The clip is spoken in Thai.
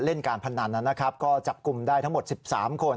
เล่นการพนันนะครับก็จับกลุ่มได้ทั้งหมด๑๓คน